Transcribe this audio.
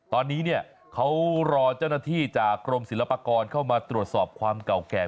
ตอนนี้เนี่ยเขารอเจ้าหน้าที่จากกรมศิลปากรเข้ามาตรวจสอบความเก่าแก่